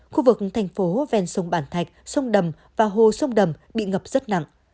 khu vực thành phố ven sông bản thạch sông đầm và hồ sông đầm bị ngập rất nặng